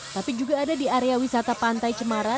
tapi juga ada di area wisata pantai cemara